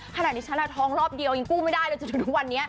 ฉันท้องรอบเดียวยังกู้ไม่ได้เลยจนถึงทุกวันนี้